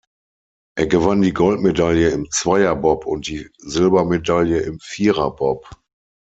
Er gewann die Goldmedaille im Zweier-Bob und die Silbermedaille im Vierer-Bob.